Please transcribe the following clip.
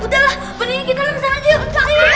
udah lah mendingan kita langsung ke sana aja